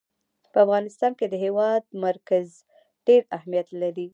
په افغانستان کې د هېواد مرکز ډېر اهمیت لري.